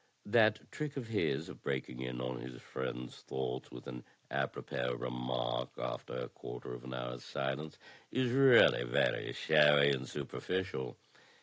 That trick of his of breaking in on his friends' thoughts with an apropos remark after a quarter of an hour's silence is really very showy and superficial.